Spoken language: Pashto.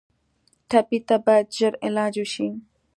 ټپي ته باید ژر علاج وشي.